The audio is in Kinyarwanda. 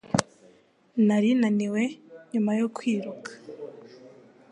Nari naniwe nyuma yo kwiruka.